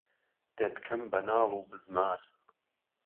دهتکهم به ناڵ و بزمار